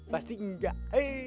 pasti enggak hei